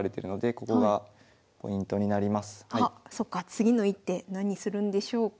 次の一手何するんでしょうか。